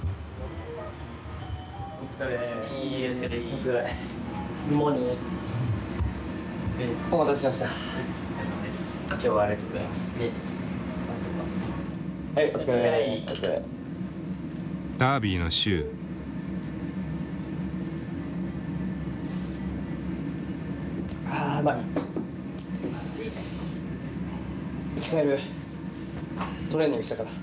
トレーニングしたから。